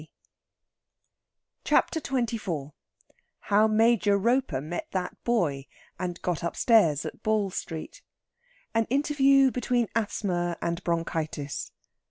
CHAPTER XXIV HOW MAJOR ROPER MET THAT BOY, AND GOT UPSTAIRS AT BALL STREET. AN INTERVIEW BETWEEN ASTHMA AND BRONCHITIS.